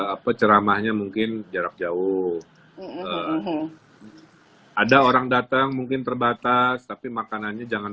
apa ceramahnya mungkin jarak jauh ada orang datang mungkin terbatas tapi makanannya jangan